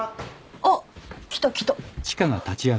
おっ来た来た。